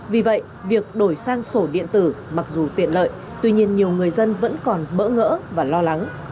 vì vậy việc đổi sang sổ điện tử mặc dù tiện lợi tuy nhiên nhiều người dân vẫn còn bỡ ngỡ và lo lắng